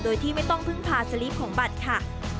โดยที่ไม่ต้องพึ่งพาสลิปของบัตรค่ะ